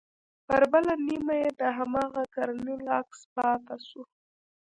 پر بله نيمه يې د هماغه کرنيل عکس پاته سو.